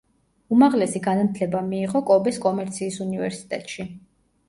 უმაღლესი განათლება მიიღო კობეს კომერციის უნივერსიტეტში.